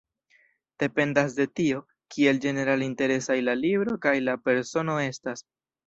Dependas de tio, kiel ĝenerale interesaj la libro kaj la persono estas.